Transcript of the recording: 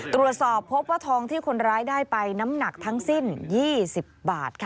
ตรวจสอบพบว่าทองที่คนร้ายได้ไปน้ำหนักทั้งสิ้น๒๐บาท